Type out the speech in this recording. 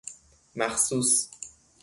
مخصوص